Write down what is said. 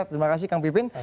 terima kasih kang pipin